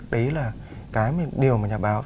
đấy là cái điều mà nhà báo